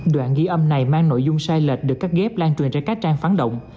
đoạn ghi âm này mang nội dung sai lệch được cắt ghép lan truyền trên các trang phán động